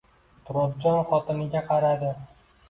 Turobjon xotiniga qaradi.